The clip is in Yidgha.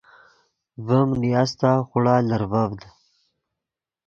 ڤیم نیاستا خوڑا لرڤڤد